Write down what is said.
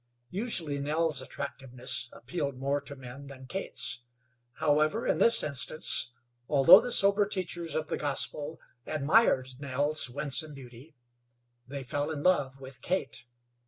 Usually Nell's attractiveness appealed more to men than Kate's; however, in this instance, although the sober teachers of the gospel admired Nell's winsome beauty, they fell in love with Kate.